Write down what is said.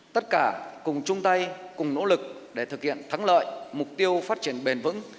tất cả cùng chung tay cùng nỗ lực để thực hiện thắng lợi mục tiêu phát triển bền vững